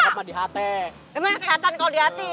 emangnya kelihatan kalau di hati